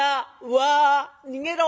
わあ逃げろ。